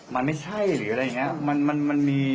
มันไม่ใช่หรืออะไรอย่างนี้